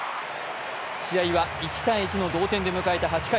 試合は１−１の同点で迎えた８回。